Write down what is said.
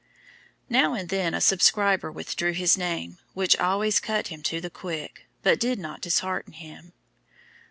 Now and then a subscriber withdrew his name, which always cut him to the quick, but did not dishearten him.